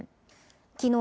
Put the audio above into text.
きのう、